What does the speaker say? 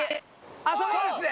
そこですね。